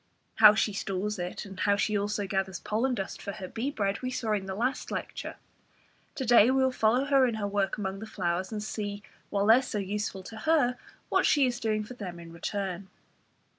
How she stores it, and how she also gathers pollen dust for her bee bread, we saw in the last lecture; to day we will follow her in her work among the flowers, and see, while they are so useful to her, what she is doing for them in return.